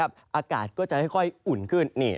อากาศก็จะค่อยอุ่นขึ้น